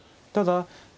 ただ。